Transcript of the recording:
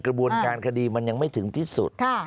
กระบวนการคดีมันยังไม่ถึงที่สุด